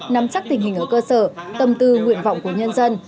nắm chắc tình hình ở cơ sở tâm tư nguyện vọng của nhân dân